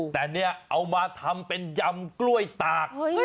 แต่เนี่ยเอามาทำเป็นยำกล้วยตาก